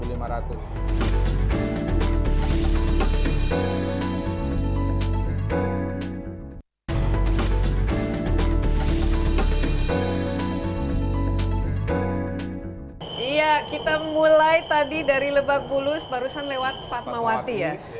iya kita mulai tadi dari lebak bulus barusan lewat fatmawati ya